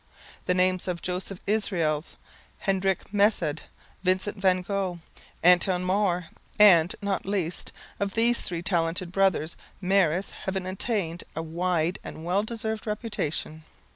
The names of Joseph Israels, Hendrik Mesdag, Vincent van Gogh, Anton Maure, and, not least, of the three talented brothers Maris, have attained a wide and well deserved reputation.